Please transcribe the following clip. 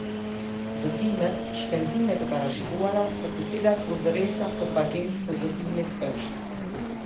Zotimet - shpenzimet e parashikuara, për të cilat Urdhëresa për Pagesë të Zotimit është.